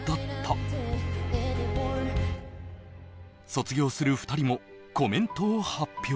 卒業する２人もコメントを発表。